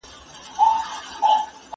زه اوس د کتابتون لپاره کار کوم!؟